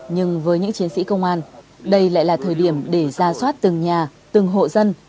nhưng với những chiến sĩ công an đây lại là thời điểm để ra soát từng nhà từng hộ dân